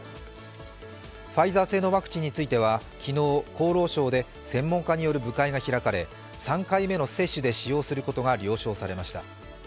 ファイザー製のワクチンについては昨日、厚労省で専門家による部会が開かれ、３回目の接種で使用することが了承されました。